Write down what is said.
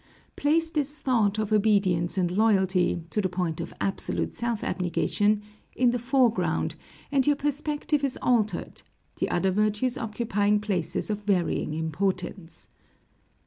Place this thought of obedience and loyalty, to the point of absolute self abnegation, in the foreground, and your perspective is altered, the other virtues occupying places of varying importance.